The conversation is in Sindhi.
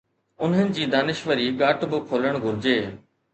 انهن جي دانشوري ڳاٽ به کولڻ گهرجي.